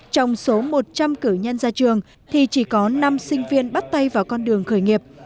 trong số một trăm linh cử nhân ra trường thì chỉ có năm sinh viên bắt tay vào con đường khởi nghiệp